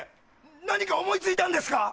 何か思い付いたんですか？